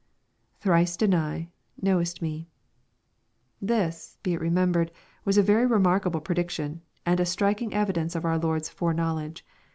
[Thrice deny.^.knowest me.] This, be it remembered, was a very remarkable prediction, and a striking evidence of our Lord's fore knowledge.